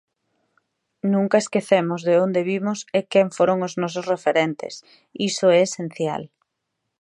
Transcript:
Nunca esquecemos de onde vimos e quen foron os nosos referentes, iso é esencial.